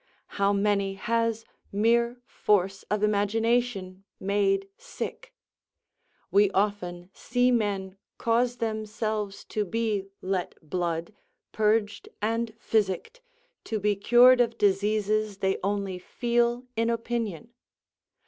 How many has mere force of imagination made sick? We often see men cause themselves to be let blood, purged, and physicked, to be cured of diseases they only feel in opinion.